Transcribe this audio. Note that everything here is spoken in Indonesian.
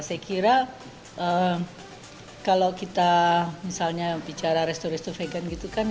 saya kira kalau kita misalnya bicara restoran restoran vegan gitu kan belum terlalu banyak